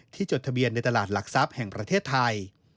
จดทะเบียนในตลาดหลักทรัพย์แห่งประเทศไทย